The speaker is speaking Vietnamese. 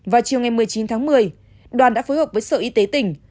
vào chiều ngày một mươi chín tháng một mươi đoàn đã phối hợp với sở y tế tỉnh